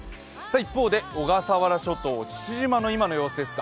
一方で小笠原諸島・父島の今の様子です。